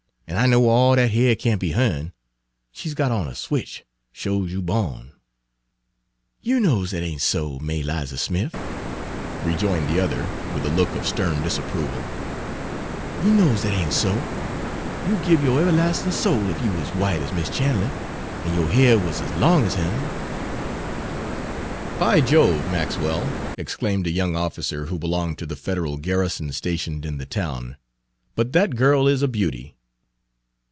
An' I know all dat hair can't be her'n; she 's got on a switch, sho 's you bawn." "You knows dat ain' so, Ma'y 'Liza Smif," rejoined the other, with a look of stern disapproval; "you knows dat ain' so. You'd gib yo' everlastin' soul 'f you wuz ez white ez Miss Chan'ler, en yo' ha'r wuz ez long ez her'n." "By Jove, Maxwell!" exclaimed a young officer, who belonged to the Federal garrison stationed in the town, "but that girl is a beauty."